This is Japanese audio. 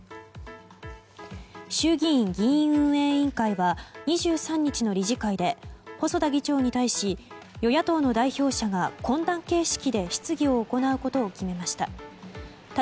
衆議院議院運営委員会は２３日の理事会で細田議長に対し与野党の代表者が懇談形式で質疑を行うことを決めました。